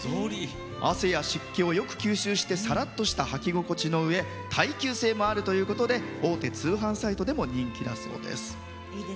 汗や湿気をよく吸収してさらっとした履き心地のうえ耐久性もあるということで大手通販サイトでも人気だそうです。